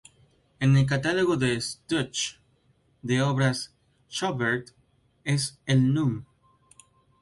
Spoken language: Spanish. En el catálogo "Deutsch" de obras de Schubert es el núm.